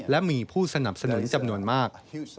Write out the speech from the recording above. และมีผู้สนับสนุนจำนวนมาก